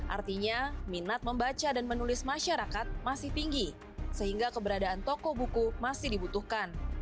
artinya minat membaca dan menulis masyarakat masih tinggi sehingga keberadaan toko buku masih dibutuhkan